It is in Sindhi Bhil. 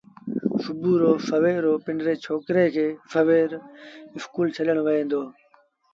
سُڀو رو سويرو پنڊري ڇوڪري کي اسڪول ڇڏڻ وهي دو۔